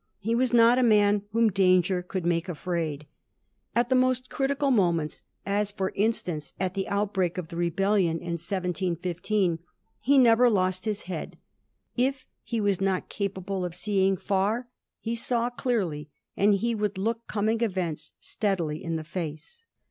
He was not a man whom danger could make afraid. At the most critical moments — as, for instance, at the outbreak of the rebellion in 1715 — ^he never lost his head. If he was not capable of seeing far, he saw clearly, and he could look coming events steadily in the face.